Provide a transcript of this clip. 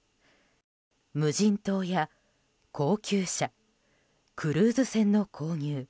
無人島や高級車クルーズ船の購入。